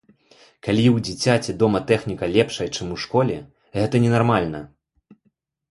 Калі ў дзіцяці дома тэхніка лепшая, чым у школе, гэта ненармальна!